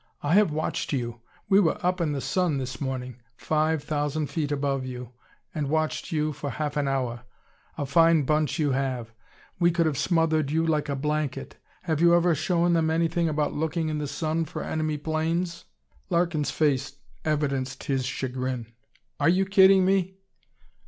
I have watched you. We were up in the sun this morning five thousand feet above you and watched you for half an hour. A fine bunch you have! We could have smothered you like a blanket. Have you ever shown them anything about looking in the sun for enemy planes?" Larkin's face evidenced his chagrin. "Are you kidding me?"